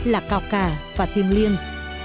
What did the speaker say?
là cao cả và thiêng liêng